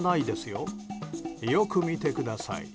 よく見てください。